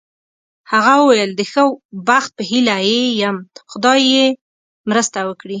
هغه وویل: د ښه بخت په هیله یې یم، خدای یې مرسته وکړي.